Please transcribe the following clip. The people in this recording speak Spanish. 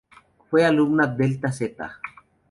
Fue alumna Delta Zeta.